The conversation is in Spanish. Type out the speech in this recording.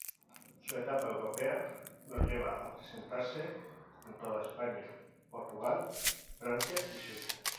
Su etapa europea lo lleva a presentarse por toda España, Portugal, Francia y Suiza.